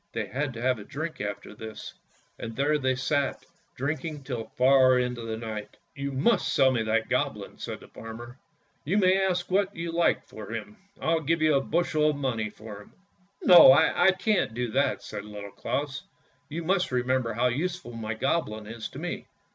They had to have a drink after this, and there they sat drinking till far into the night. " You must sell me that Goblin," said the farmer. " You may ask what you like for him ! I'll give you a bushel of money for him." " No, I can't do that," said Little Claus; " you must re member how useful my Goblin is to me."